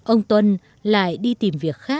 ông tuấn lại đi tìm việc khác